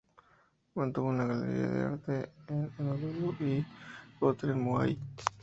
Mantuvo una galería de arte en Honolulu y otra en Maui.